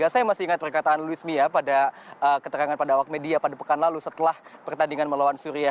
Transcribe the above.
saya masih ingat perkataan luis mia pada keterangan pada awak media pada pekan lalu setelah pertandingan melawan surya